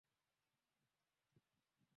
ninaanza na gazeti la daily nation la kenya ken